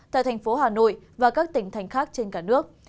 tại tp hà nội và các tỉnh thành khác trên cả nước